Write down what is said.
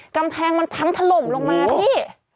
กำแพงมันพังถล่มลงมาพี่